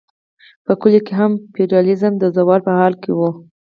په کلیو کې هم فیوډالیزم د زوال په حال و.